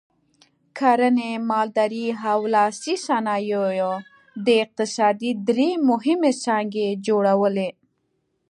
کرنې، مالدارۍ او لاسي صنایعو د اقتصاد درې مهمې څانګې جوړولې.